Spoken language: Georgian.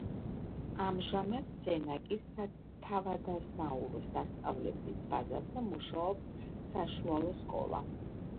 ამჟამად სენაკის სათავადაზნაურო სასწავლებლის ბაზაზე მუშაობს საშუალო სკოლა.